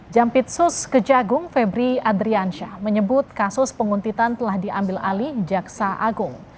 jampitsus kejagung febri adriansyah menyebut kasus penguntitan telah diambil alih jaksa agung